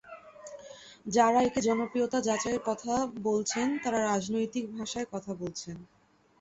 যাঁরা একে জনপ্রিয়তা যাচাইয়ের কথা বলছেন, তাঁরা রাজনৈতিক ভাষায় কথা বলছেন।